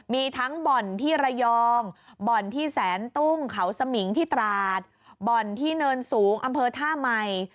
มีทั้งบ่อนที่ระยองบ่อนที่แสนตุ้งเขาสมิงที่ตราดบ่อนที่เนินสูงอำเภอท่าใหม่